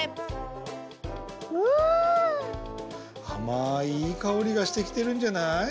あまいいいかおりがしてきてるんじゃない？